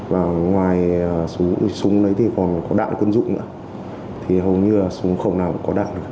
và ngoài súng lấy thì còn có đạn quân dụng nữa thì hầu như là súng không nào có đạn